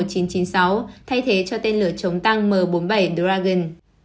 cho tên lửa chống tăng m bốn mươi bảy dragon